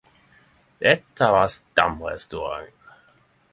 Dette vart stamrestauranten!